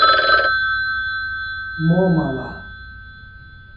Momal'a